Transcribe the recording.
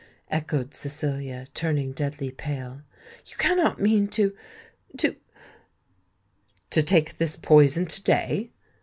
echoed Cecilia, turning deadly pale. "You cannot mean to——to——" "To take this poison to day?"